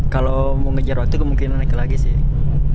kalau mau ngejar waktu kemungkinan naik lagi sih